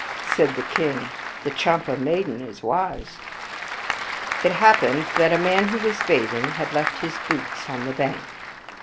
Said the king, " The Champa maiden is wise." It happened that a man who was bathing had left his boots on the bank.